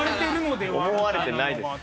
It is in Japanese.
思われてないです。